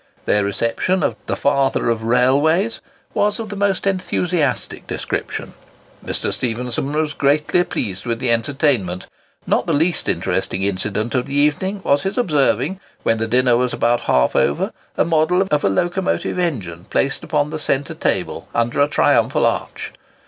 Their reception of "the Father of railways" was of the most enthusiastic description. Mr. Stephenson was greatly pleased with the entertainment. Not the least interesting incident of the evening was his observing, when the dinner was about half over, a model of a locomotive engine placed upon the centre table, under a triumphal arch.